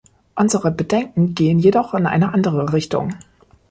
Unsere Bedenken gehen jedoch in eine andere Richtung.